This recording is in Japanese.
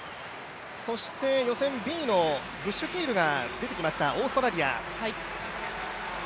そして予選Ｂのブッシュキールが出てきましたオーストラリア。